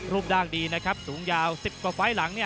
รูปร่างดีนะครับสูงยาว๑๐กว่าไฟล์หลัง